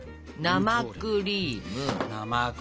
生クリーム。